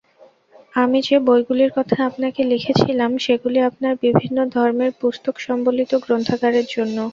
আমি যে বইগুলির কথা আপনাকে লিখেছিলাম, সেগুলি আপনার বিভিন্ন ধর্মের পুস্তক-সম্বলিত গ্রন্থাগারের জন্য।